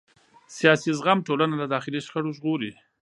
سیاسي زغم ټولنه له داخلي شخړو ژغوري